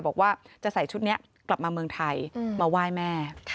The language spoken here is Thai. บอกว่าจะใส่ชุดนี้กลับมาเมืองไทยมาไหว้แม่